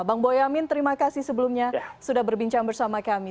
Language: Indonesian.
bang boyamin terima kasih sebelumnya sudah berbincang bersama kami